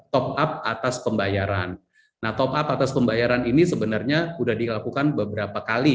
top up atas pembayaran nah top up atas pembayaran ini sebenarnya udah dilakukan beberapa kali